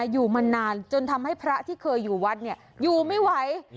อยู่มานานจนทำให้พระที่เคยอยู่วัดอยู่ไม่ไหว